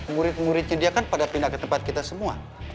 murid muridnya dia kan pada pindah ke tempat kita semua